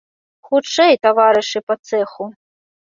Хутчэй, таварышы па цэху.